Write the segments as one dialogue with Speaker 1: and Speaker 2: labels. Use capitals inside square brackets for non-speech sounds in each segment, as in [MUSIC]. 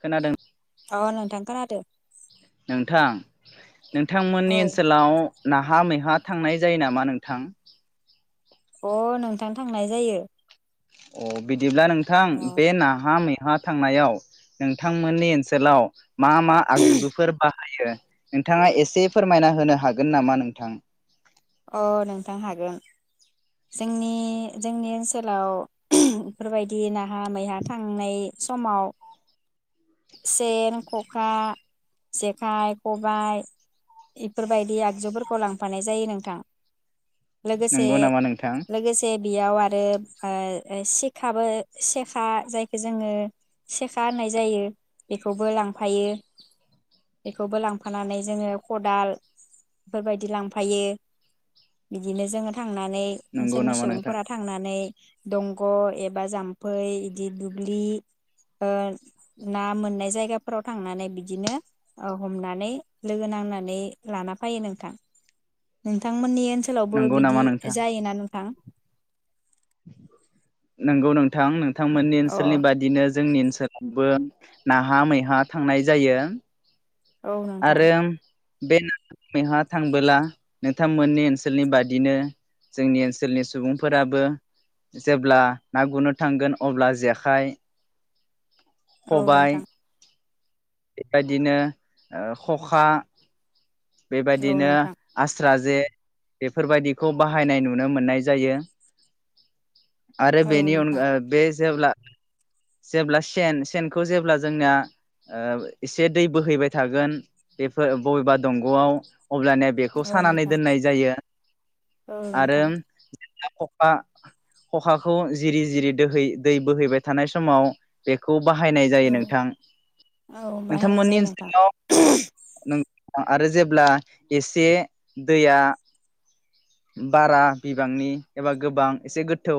Speaker 1: खोनादों
Speaker 2: अ नोंथां खोनादो
Speaker 1: नोंथां नोंथांमोननि ओनसोलाव नाहा-मैहा थांनाय जायो नामा नोंथां?
Speaker 2: अ नोंथां थांनाय जायो।
Speaker 1: अ बिदिब्ला नोंथां बे नाहा मै नाहा थांनायाव नोंथांमोननि ओनसोलाव मा मा आगजुफोर बाहा हायो नोंथाङा एसे फोरमायना होनो हागोन नामा नोंथां?
Speaker 2: अ नोंथां हागोन जोंनि जोंनि ओनसोलाव बेफोरबायदि नाहा मैहा थांनाय समाव सेन खखा जेखाइ खबाय इफोरबायदि आगजुफोरखौ लांफानाय जायो नों था लोगोसे
Speaker 1: नंगौ नामा नोंथां
Speaker 2: लोगोसे बेयाव आरो ओ सिखाबो सेखा जायखौ जोङो सेखा होननाय जायो बेखौबो लांफायो बेखौबो लांफाना बिदिनो जोङो थां थांनानै
Speaker 1: नंगौ
Speaker 2: ओनसोलनि
Speaker 1: नामा नोंथां
Speaker 2: सुबुंफोरा थांनानै दंग' एबा जाम्फै बिदि दुब्लि ओ ना मोननाय नोंथांमोननि ओनसोलावबो
Speaker 1: नंगौ नामा
Speaker 2: बिदि
Speaker 1: नोंथां
Speaker 2: जायोना नोंथां?
Speaker 1: नोंगौ नोंथां नों नोंथांमोननि
Speaker 2: अ
Speaker 1: ओनसोलनि बादिनो जोंनि ओनसोलावबो नाहा मैहा थांनाय जायो।
Speaker 2: औ नोंथां‌‌।
Speaker 1: आरो बे नाहा मैहा थांबोला नोंथांमोननि ओनसोलनि बादिनो जोंनि ओनसोलनि सुबुंफोराबो जेब्ला ना गुरनो थांगोन अब्ला जेखाइ
Speaker 2: औ नोंथां‌‌।
Speaker 1: बेबादिनो ओ खखा
Speaker 2: औ
Speaker 1: बेबायदिनो
Speaker 2: नोंथां
Speaker 1: आस्रा जे बेफोरबायदिखौ बाहायनाय नुनो मोननाय जायो। आरो
Speaker 2: औ
Speaker 1: बेनि
Speaker 2: नोंथां
Speaker 1: अनगा बे जेब्ला जेब्ला सेन सेनखौ जेब्ला जोंनिया ओ एसे दै बोहैबाय था थागोन बेफोर बबेबा दंगआव अब्लानिया बेखौ
Speaker 2: औ
Speaker 1: सानानै
Speaker 2: नोंथां
Speaker 1: दोननाय जायो
Speaker 2: औ
Speaker 1: आरो
Speaker 2: नोंथां
Speaker 1: ना खखा खखाखौ जिरि जिरि दोहै दै बोहैबाय थानाय समाव बेखौ बाहायनाय
Speaker 2: औ
Speaker 1: जायो नोंथां
Speaker 2: औ
Speaker 1: नोंथां
Speaker 2: बाहायनाय जायो
Speaker 1: मोननि
Speaker 2: नोंथां
Speaker 1: ओनसो [UNINTELLIGIBLE] आरो जेब्ला एसे दैया बारा बिबांनि एबा गोबां एसे गोथौ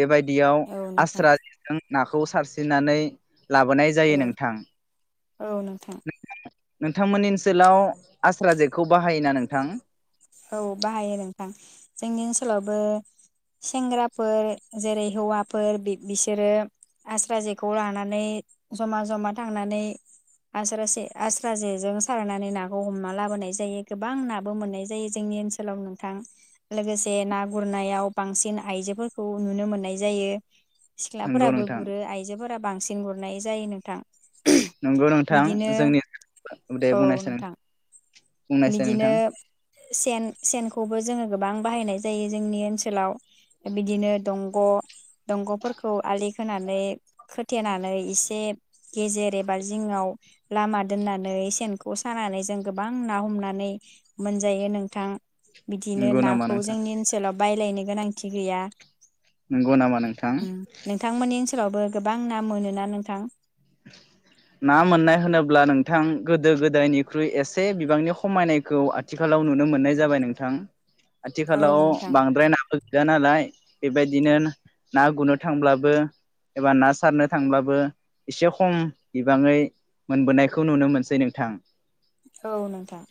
Speaker 1: बेबायदियाव
Speaker 2: औ नोंथां
Speaker 1: आस्रा जेजों नाखौ [UNINTELLIGIBLE] लाबोनाय जायो
Speaker 2: औ
Speaker 1: नोंथां
Speaker 2: औ नोंथां
Speaker 1: नोंथांमोननि ओनसोलाव आस्रा जेखौ बाहायोना नोंथां
Speaker 2: औ बाहायो नोंथां जोंनि ओनसोलावबो सेंग्राफोर जेरै हौवाफोर बि बिसोरो आस्रा जेखौ लानानै जमा जमा थांनानै आस्रासे आस्रा जेजों सारनानै नाखौ हमना लाबोनाय जायो गोबां नाबो मोननाय जायो जोंनि ओनसोलाव नोंथां लोगोसे ना गुरनायाव बांसिन आइजोफोरखौ नुनो मोननाय जायो
Speaker 1: नंगौ
Speaker 2: सिख्लाफोराबो
Speaker 1: नोंथां
Speaker 2: गुरो आइजोफोराबो बांसिन गुरनाय जायो नोंथां
Speaker 1: नंगौ नोंथां
Speaker 2: बिदिनो
Speaker 1: जोंनि
Speaker 2: औ नोंथां
Speaker 1: [UNINTELLIGIBLE] बुंनायसाय
Speaker 2: बिदिनो
Speaker 1: नोंथां
Speaker 2: सेन सेनखौबो जोङो गोबां बाहायनाय जायो जोंनि ओनसोलाव बिदिनो दंग दंगफोरखौ आलि खोनानै खोथेनानै एसे गेजेर एबा जिङाव लामा दोननानै सेनखौ सानानै जों गोबां ना हमनानै मोनजायो नोंथां बिदिनो
Speaker 1: नंगौ नामा
Speaker 2: नाखौ
Speaker 1: नोंथां
Speaker 2: जोंनि ओनसोलाव बायलायनो गोनांथि गैया
Speaker 1: नंगौ नामा नोंथां
Speaker 2: फ्रावबो गोबां ना मोनोना नोंथां
Speaker 1: ना मोननाय होनोब्ला नोंथां गोदो गोदायनिख्रुइ एसे बिबांनि खमायनायखौ आथिखालाव नुनो मोननाय जाबाय नोंथां
Speaker 2: औ
Speaker 1: आथिखालाव
Speaker 2: नोंथां
Speaker 1: बांद्राय नाबो गैया नालाय बेबायदिनो ना गुरनो थांब्लाबो एबा ना सारनो थांब्लाबो एसे खम बिबाङै मोनबोनायखौ नुनो मोनसै नोंथां
Speaker 2: औ नोंथां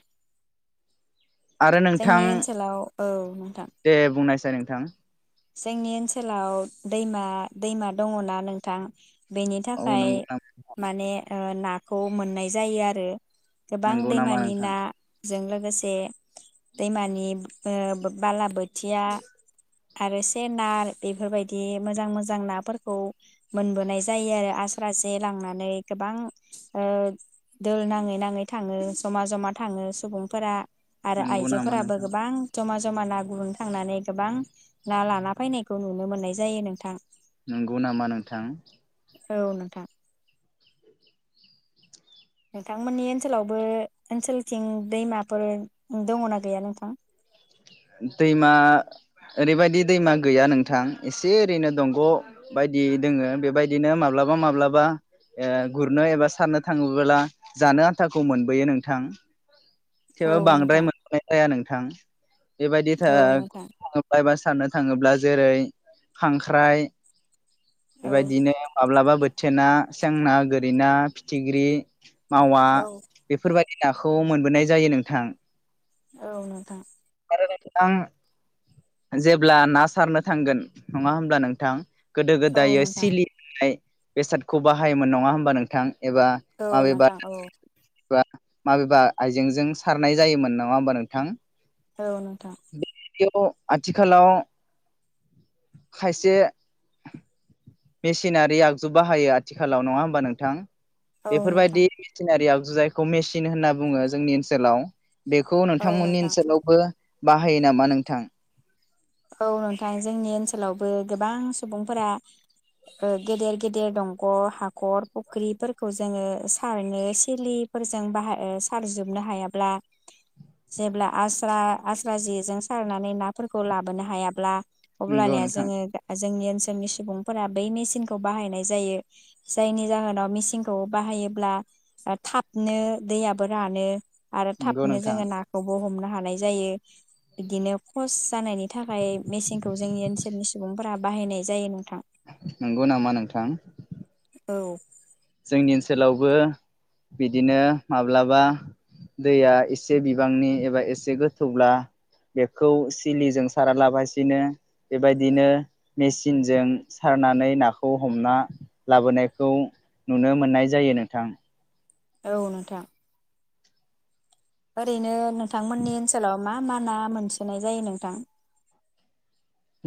Speaker 1: आरो नोंथां
Speaker 2: जोंनि ओनसोलाव औ नोंथां
Speaker 1: साय नोंथां
Speaker 2: जोंनि ओनसोलाव दैमा दैमा दङना नोंथां बेनि
Speaker 1: औ
Speaker 2: थाखाय
Speaker 1: नंगौ नामा
Speaker 2: माने ओ ना खौ मोननाय जायो आरो गोबां
Speaker 1: नंगौ नामा
Speaker 2: दैमानि
Speaker 1: नोंथां
Speaker 2: ना जों लो लोगोसे दै मानि ओ बाला बो थिया आरो से नार बेफोरबायदि मोजां मोजां नाफोरखौ मोनबोनाय जायो आरो आस्रा जे लांनानै गोबां दोल नाङै नाङै थाङो जमा जमा थाङो सुबुंफोरा आरो
Speaker 1: नंगौ नामा
Speaker 2: आइजोफोराबो
Speaker 1: नोंथां
Speaker 2: गोबां जमा ज जमा ना गुरनो थांनानै गोबां ना लाना फैनायखौ नुनो मोननाय जायो नोंथां
Speaker 1: नंगौ नामा नोंथां
Speaker 2: औ नोंथां नोंथांमोननि ओनसोलावबो ओनसोलथिं दैमाफोर दङना गैया नोंथां
Speaker 1: दैमा ओरैबायदि दैमा गैया नोंथां एसे ओरैनो दंग बायदि दोङो बेबायदिनो माब्लाबा माब्लाबा गुरनो एबा सारनो थाङोबोला जानो आथाखौ मोनबोयो नोंथां
Speaker 2: औ
Speaker 1: थेवबो बांद्राय
Speaker 2: नोंथां
Speaker 1: मोननाय जाया नों थां बेबायदि
Speaker 2: औ
Speaker 1: थाग
Speaker 2: नोंथां
Speaker 1: बायबास सारनो थाङोब्ला जेरै खांख्राइ
Speaker 2: औ
Speaker 1: बेबायदिनो माब्लाबा बो सेना थोना सेंना गोरिनाा फिथिख्रि मावा
Speaker 2: औ
Speaker 1: बेफोरबायदि नाखौ मोनबोनाय जायो नोंथां
Speaker 2: औ नोंथां
Speaker 1: नोंथां जेब्ला ना सारनो थांगोन नङा होमब्ला नोंथां गोदो
Speaker 2: औ
Speaker 1: गोदाय
Speaker 2: नोंथां
Speaker 1: सिलि होननाय बेसादखौ बाहायोमोन नङा होमबा नोंथां एबा
Speaker 2: औ
Speaker 1: माबेबा
Speaker 2: नोंथां औ
Speaker 1: [UNINTELLIGIBLE] माबेबा आइजेंजों सारनाय जायोमोन नङा होमबा नोंथां
Speaker 2: औ नोंथां
Speaker 1: बेयाव आथिखालाव खायसे मेसिनारि आगजु बाहायो आथिखालाव नङा होमबा नोंथां
Speaker 2: औ नोंथां
Speaker 1: बेफोरबायदि मेसिनारियाव जायखौ मेसिन होनना बुङो जोंनि ओनसोलाव बेखौ
Speaker 2: औ
Speaker 1: नोंथांमोननि
Speaker 2: नोंथां
Speaker 1: ओनसोलावबो बाहायो नामा नोंथां
Speaker 2: औ नोंथां जोंनि ओनसोलावबो गोबां सुबुंफोरा गेदेर गेदेर दंख' हाखर फुख्रिफोरखौ जोङो सारनो सिलिफोरजों बाहाय सारजोबनो हायाब्ला जेब्ला आस्रा आस्रा जेजों सारनानै नाफोरखौ लाबो लाबोनो हायाब्ला
Speaker 1: नंगौ
Speaker 2: अब्लानिया
Speaker 1: नोंथां
Speaker 2: जोङो जोंनि ओनसोल जोंनि सुबुंफोरा बै मेसिनखौ बाहायनाय जायो जायनि जाहोनाव मेचिनखौ बाहायोब्ला थाबनो दैयाबो रानो आरो
Speaker 1: नंगौ
Speaker 2: थाबनो
Speaker 1: नोंथां
Speaker 2: जोङो नाखौबो हमना थानाय जायों बिदिनो फस जानायनि थाखाय मेचनखौ जोंनि ओनसोलनि सुबुंफोरा बाहायनाय जायो नोंथां
Speaker 1: नंगौ नामा नोंथां?
Speaker 2: औ
Speaker 1: जोंनि ओनसोलावबो बिदिनो माब्लाबा दैया एसे बिबांनि एबा एसे गोथौब्ला बेखौ सिलिजों सारालागासिनो बेबायदिनो मेसिनजों सारनानै नाखौ हमना लाबोनायखौ नुनो मोननाय जायो नोंथां।
Speaker 2: औ नोंथां ओरैनो नों थांमोननि ओनसोलाव मा मा ना मोनसोनाय जायो नोंथां?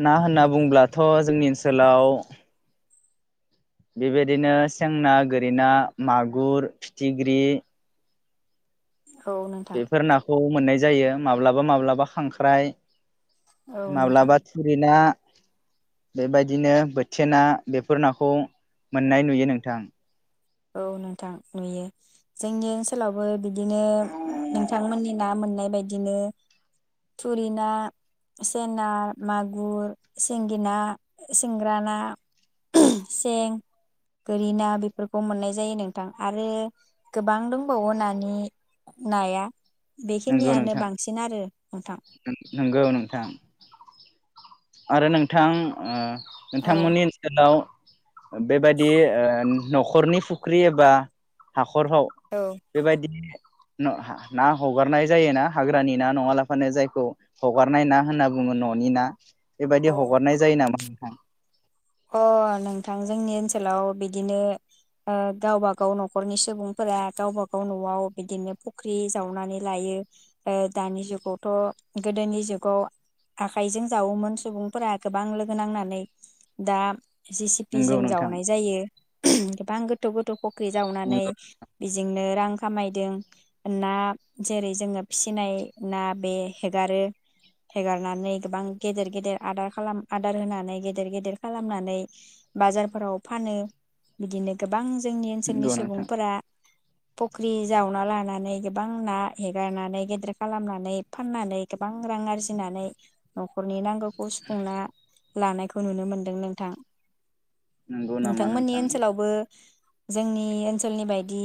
Speaker 1: ना होनना बुंब्लाथ' जोंनि ओनसोलाव बेबायदिनो सेंना गोरि मागुर फिथिख्रि
Speaker 2: औ नोंथां
Speaker 1: बेफोर नाखौ मोननाय जायो माब्लाबा माब्लाबा खांख्राइ
Speaker 2: औ नोंथां
Speaker 1: माब्लाबा थुरिना बेबायदिनो बोथिया ना बेफोर नाखौ मोननाय नुयो नोंथां
Speaker 2: औ नोंथां नुयो जोंनि ओनसोलावबो बिदिनो नोंथांमोननि ना मोननाय बायदिनो थुरि ना सें ना मागु सिंगि ना सिंग्रा ना उह सें गोरि ना बेफोर खौ मोननाय जायो नोंथां आरो गोबां दंबावो नानि नाया
Speaker 1: नंगौ
Speaker 2: बेखिनियानो
Speaker 1: नोंथां
Speaker 2: बांसिन आरो नोंथां
Speaker 1: नंगौ नोंथां आरो नोंथां
Speaker 2: औ
Speaker 1: नोंथांमोननि ओनसोलाव बेबायदि ओ न'खरनि फुख्रि एबा हाख [UNINTELLIGIBLE] बेबायदि न ना हगारनाय जायोना हाग्रानि ना नङाब्लाफानो जायखौ हगारनाय ना होनना बुङो न'नि ना बेबायदि हगारनाय जायो नामा नोंथां?
Speaker 2: अ नोंथां जोंनि ओनसोलाव बिदिनो गावबागाव न'खरनि सुबुंफोरा गावबा गाव न'आव बिदिनो फुख्रि जावनानै लायो दानि जुगावथ' गोदोनि जुगाव आखाइजों जावोमोन सुबुंफोरा गोबां लोगो नांनानै दा जे सि पि
Speaker 1: नंगौ
Speaker 2: जों
Speaker 1: नोंथां
Speaker 2: जावनाय जायो। उह बां गोथौ गोथौ फ ख्रि जावनानै
Speaker 1: नंगौ
Speaker 2: बेजोंनो रां खामायदों ना जेरै जोङो फिसिनाय ना बे हेगारो हेगारनानै गोबां गेदेर गेदेर आदार खालाम आदार होनानै गेदेर गेदेर खालामनानै बाजारफोराव फानो बिदिनो गोबां जोंनि ओनसोलनि
Speaker 1: नंगौ नोंथां
Speaker 2: सुबुंफोरा फख्रि जावना लानानै गोबां ना हेगारनानै गिदिर खालामनानै फाननानै गोबां रां आरजिनानै न'खरनि नांगौ खौ सिफुंना लानायखौ नुनो मोन दों नोंथां।
Speaker 1: नंगौ नामा
Speaker 2: नोंथांमोननि
Speaker 1: नोंथां
Speaker 2: ओनसोलावबो। जोंनि ओनसोलनि बायदि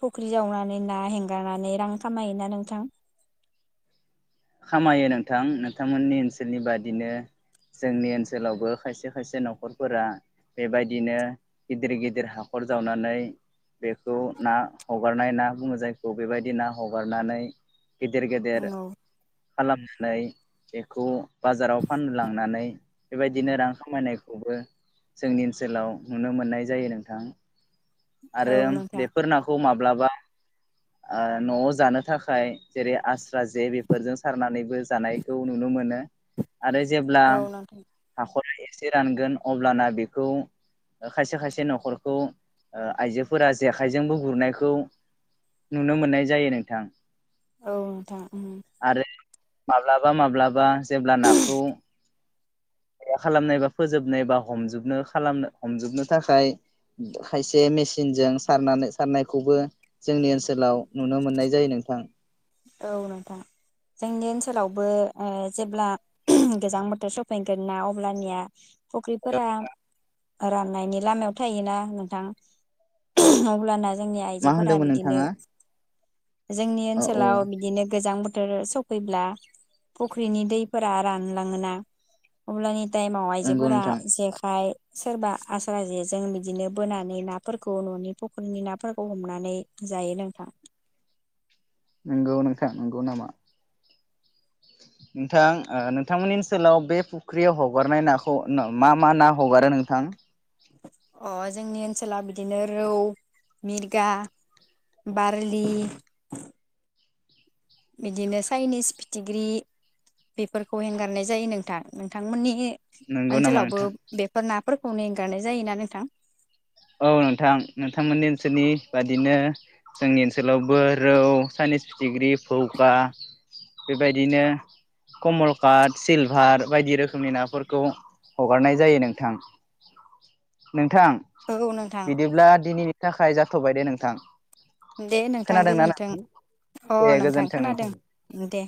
Speaker 2: फुख्रि जावनानै ना हेंगारनानै रां खामायोना नोंथां।
Speaker 1: खामायो नोंथां नोंथांमोननि ओनसोलनि बादिनो जोंनि ओनसोलावबो खायसे खायसे न'खरफोरा बेबायदिनो गिदिर गिदिर हाखर जावनानै बेखौ ना हगारनाय ना बुङो जायखौ बेबायदि ना हगारनानै गेदेर
Speaker 2: औ
Speaker 1: गेदेर। फाननानै बेखौ बाजाराव फाननो लांनानै। बेबायदिनो रां खामायनायखौबो जोंनि ओनसोलाव नुनो मोननाय जायो नोंथां।
Speaker 2: औ
Speaker 1: आरो
Speaker 2: नोंथां
Speaker 1: बेफोर नाखौ मा ब्लाबा ओ न'आव जानो थाखाय जेरै आस्रा जे बेफोरजों सारनानैबो जानायखौ नुनो मोनो। आरो जेब्ला
Speaker 2: औ नोंथां
Speaker 1: हाखर। इसे रानगोन अब्लाना बेखौ खायसे खायसे न'खरखौ। ओ आइजोफोरा जेखायजोंबो गुरनायखौ नुनो मोननाय जायो नोंथां।
Speaker 2: औ नोंथां उम।
Speaker 1: आरो माब्लाबा माब्लाबा जेब्ला नाखौ। जेया खालामनाय बा फोजोबनाय बा हमजोबनो खालामनो हमजोबनो थाखाय खायसे मेसिनजों सारनानै सारनायखौबो जोंनि ओनसोलाव नुनो मोननाय जायो नोंथां।
Speaker 2: औ नोंथां जोंनि ओनसोलावबो ओ जेब्ला गोजां बोथोर सफैगोन ना अब्लानिया। फख्रिफोरा। राननायनि लामायाव थायोना नोंथां अब्लाना। जोंनि
Speaker 1: मा
Speaker 2: आइजोफोरा
Speaker 1: होनदोंमोन
Speaker 2: बिदिनो।
Speaker 1: नोंथाङा
Speaker 2: जोंनि
Speaker 1: औ औ
Speaker 2: सोलाव बिदिनो गोजां बो थोर सफैब्ला फुख्रिनि दैफोरा रानलाङोना अब्लानि। दायमाव
Speaker 1: नंगौ
Speaker 2: आइजोफोरा
Speaker 1: नोंथां
Speaker 2: जेखाइ। सोरबा आस्रा जे जों बिदिनो बोनानै नाफोरखौ न'नि फख्रिनि नाफोरखौ हमनानै जायो नोंथां।
Speaker 1: नंगौ नोंथां नंगौ नामा नोंथां ओ नोंथांमोननि ओनसोलाव बे फुख्रियाव हगारनाय नाखौ मा मा ना हगारो नोंथां?
Speaker 2: अ जोंनि ओनसोलाव बिदिनो रौ, मिरगा, बारलि। बिदिनो चाइनिस फिथिख्रि बेफोरखौ हेंगारनाय जायो नोंथां नोंथांमोननि
Speaker 1: नंगौ नामा
Speaker 2: ओनसोलावबो
Speaker 1: नोंथां
Speaker 2: बेफोर ना फोरखौनो एंगारनाय जायोना नोंथां?
Speaker 1: औ नोंथां नोंथांमोननि ओनसोलनि बादिनो जोंनि ओनसोलावबो रौ, चाइनिस, फिथिख्रि, भौका बेबायदिनो कमलकाट, सिलभार बायदि रोखोमनि नाफोरखौ हगारनाय जायो नोंथां नोंथां।
Speaker 2: औ
Speaker 1: [INAUDIBLE]
Speaker 2: नोंथां
Speaker 1: बिदिब्ला दिनैनि। थाखाय जाथ'बाय दे नोंथां।
Speaker 2: दे नोंथां
Speaker 1: खोनादोंना
Speaker 2: गोजोन्थों
Speaker 1: नोंथां
Speaker 2: अ
Speaker 1: दे
Speaker 2: नोंथां
Speaker 1: गोजोन्थों
Speaker 2: खोनादों दे।